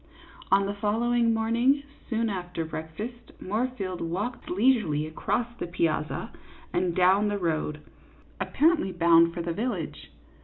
On the following morning, soon after breakfast, Moorfield walked leisurely across the piazza and down the road, apparently bound for the village.